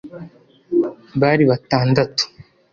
Bari batandatu